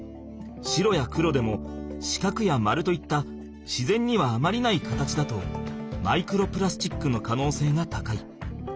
白や黒でも四角や丸といった自然にはあまりない形だとマイクロプラスチックの可能性が高い。